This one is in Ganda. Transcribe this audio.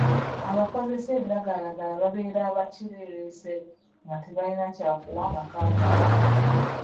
Abakozesa ebiragalalagala babeera ba kireereese nga tebayina kyakuwa maka gaabwe.